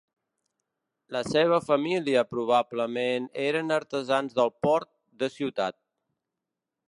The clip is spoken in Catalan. La seva família, probablement, eren artesans del port de Ciutat.